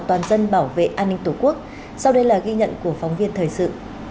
toàn dân bảo vệ an ninh tổ quốc sau đây là ghi nhận của phóng viên thời sự